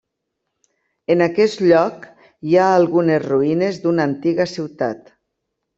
En aquest lloc hi ha algunes ruïnes d'una antiga ciutat.